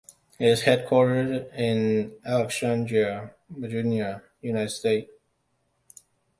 It is headquartered in Alexandria, Virginia, United States.